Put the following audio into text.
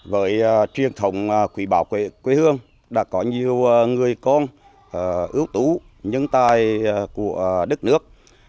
với truyền thống quỷ bảo quê hương đã có nhiều người con ưu tú nhân tài của đất nước